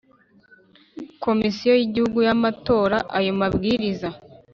Komisiyo y Igihugu y Amatora Ayo mabwiriza